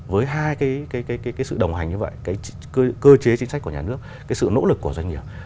với hai cái sự đồng hành như vậy cái cơ chế chính sách của nhà nước cái sự nỗ lực của doanh nghiệp